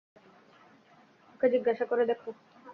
ওকে জিজ্ঞাসা করে দেখো।